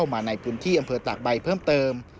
มาในพื้นที่อำเภอตากใบเพิ่มเติม